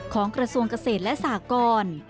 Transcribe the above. กระทรวงเกษตรและสากร